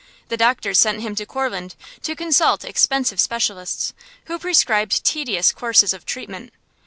The doctors sent him to Courland to consult expensive specialists, who prescribed tedious courses of treatment.